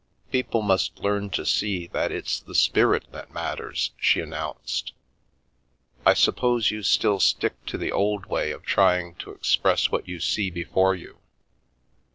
" People must learn to see that it's the spirit that mat ters/' she announced. " I suppose you still stick to the old way of trying to express what you see before you?